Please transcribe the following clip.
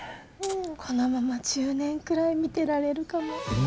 このまま１０年くらい見てられるかも。